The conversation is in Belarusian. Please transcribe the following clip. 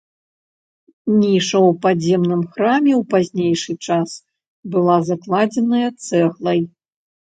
Ніша ў падземным храме ў пазнейшы час была закладзеная цэглай.